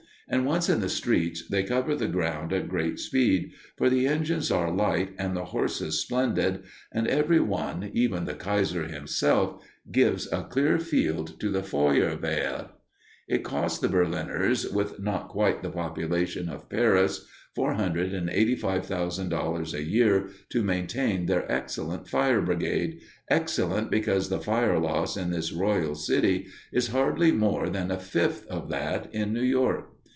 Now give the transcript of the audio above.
And once in the streets, they cover the ground at great speed, for the engines are light and the horses splendid, and every one, even the Kaiser himself, gives a clear field to the Feuerwehr. It costs the Berliners, with not quite the population of Paris, $485,000 a year to maintain their excellent fire brigade, excellent because the fire loss in this royal city is hardly more than a fifth of that in New York.